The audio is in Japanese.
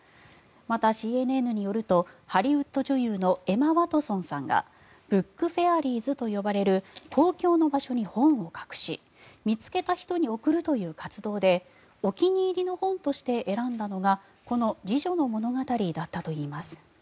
また、ＣＮＮによるとハリウッド女優のエマ・ワトソンさんがブック・フェアリーズと呼ばれる公共の場所に本を隠し見つけた人に贈るという活動でお気に入りの本として選んだのがこの「侍女の物語」だったといいます。